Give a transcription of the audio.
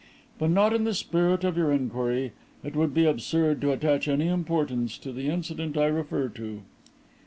But not in the spirit of your inquiry. It would be absurd to attach any importance to the incident I refer to."